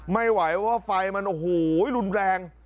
ไม่ไหวว่าไฟมันโอ้โหรุนแรง